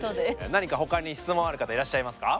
何か他に質問ある方いらっしゃいますか？